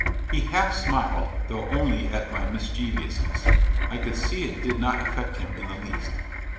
He half smiled, though only at my mischievousness. I could see it did not affect him in the least.